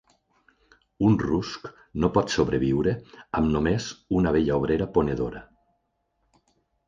Un rusc no pot sobreviure amb només una abella obrera ponedora.